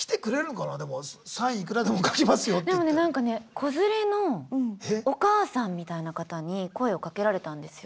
子連れのお母さんみたいな方に声をかけられたんですよ。